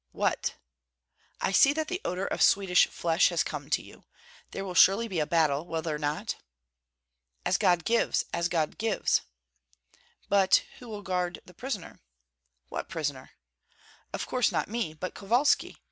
"What?" "I see that the odor of Swedish flesh has come to you. There will surely be a battle, will there not?" "As God gives, as God gives!" "But who will guard the prisoner?" "What prisoner?" "Of course, not me, but Kovalski.